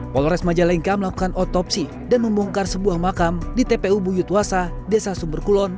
polres majalengka melakukan otopsi dan membongkar sebuah makam di tpu buyutwasa desa sumberkulon